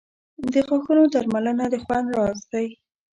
• د غاښونو درملنه د خوند راز دی.